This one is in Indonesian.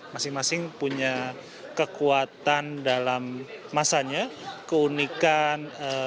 masing masing punya kekuatan dalam masanya keunikan